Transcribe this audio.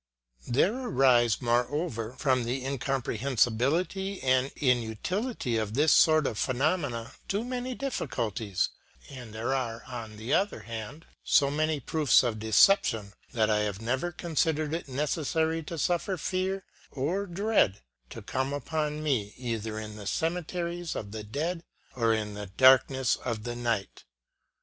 There arise, more over, from the incomprehensibility and inutility of this sort of phenomena, too many difficulties ; and there are, on the other hand, so many proofs of deception, that I have never considered it necessary to suffer fear or dread to come upon me, either in the cemeteries of the dead or in the darkness of the night.